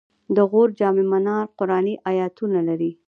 د غور جام منار قرآني آیتونه لري